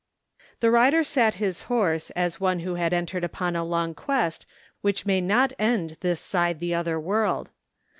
The rider sat his horse as one who had entered upon a long quest which may not end this side the other world.